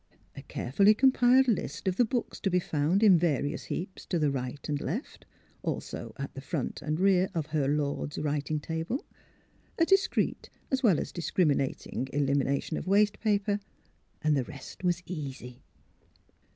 A carefully compiled list of the books to be found in various heaps to the right and left, also at the front and rear of her lord's writing table; a discreet as well as discrim inating elimination of waste paper; and the rest was easy.